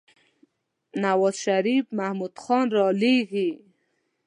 نوازشريف محمود خان رالېږي.